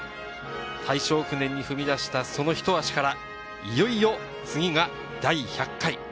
大正９年に踏み出したその一足からいよいよ次が第１００回。